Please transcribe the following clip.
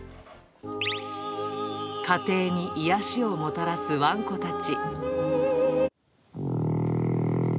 家庭に癒やしをもたらすワンコたち。